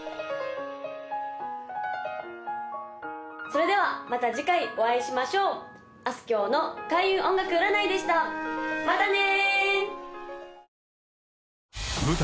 それではまた次回お会いしましょうあすきょうの開運音楽占いでしたまたね